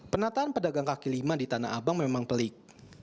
penataan pedagang kaki lima di tanah abang memang pelik